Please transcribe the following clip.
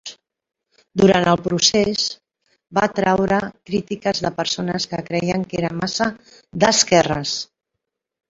Durant el procés, va atraure crítiques de persones que creien que era massa 'd'esquerres'.